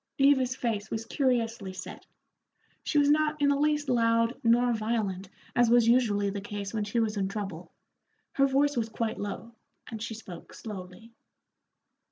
Eva's face was curiously set; she was not in the least loud nor violent as was usually the case when she was in trouble, her voice was quite low, and she spoke slowly.